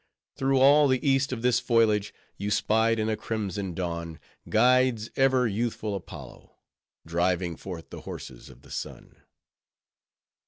Through all the East of this foliage, you spied in a crimson dawn, Guide's ever youthful Apollo, driving forth the horses of the sun.